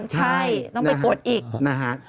ใช่ต้องไปกดอีกนะฮะ